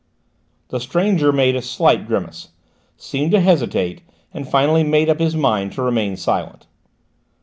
The stranger made a slight grimace, seemed to hesitate and finally made up his mind to remain silent.